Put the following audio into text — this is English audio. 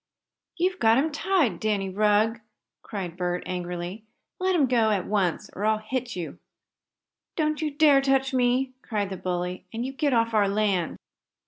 "You've got him tied, Danny Rugg!" cried Bert, angrily. "Let him go at once or I'll hit you!" "Don't you dare touch me!" cried the bully. "And you get off our land!"